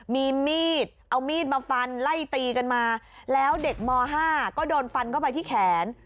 มีมีดเอามีดมาฟันไล่ตีกันมาแล้วเด็กม๕ก็โดนฟันเข้าไปที่แขน